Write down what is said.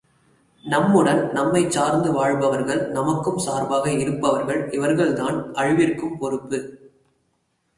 நம்முடன் நம்மைச் சார்ந்து வாழ்பவர்கள், நமக்கும் சார்பாக இருப்பவர்கள் இவர்கள்தான் அழிவிற்கும் பொறுப்பு!